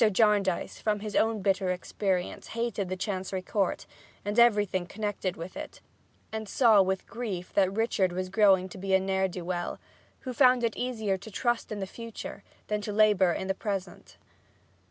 Jarndyce, from his own bitter experience, hated the Chancery Court and everything connected with it, and saw with grief that Richard was growing to be a ne'er do well, who found it easier to trust in the future than to labor in the present.